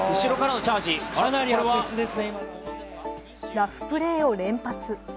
ラフプレーを連発。